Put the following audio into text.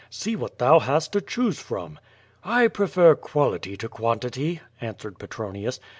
"See what thou bast to choose from." / QUO VADI8. "I prefer quality to quantity/^ answered Petronius.